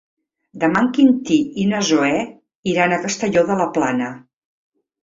Demà en Quintí i na Zoè iran a Castelló de la Plana.